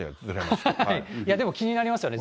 いや、でも気になりますよね。